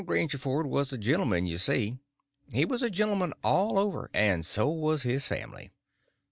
Grangerford was a gentleman, you see. He was a gentleman all over; and so was his family.